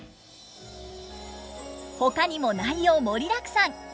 ほかにも内容盛りだくさん。